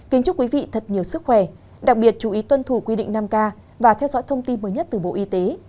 kính chúc quý vị thật nhiều sức khỏe đặc biệt chú ý tuân thủ quy định năm k và theo dõi thông tin mới nhất từ bộ y tế